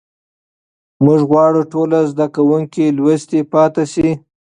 موږ غواړو ټول زده کوونکي لوستي پاتې سي.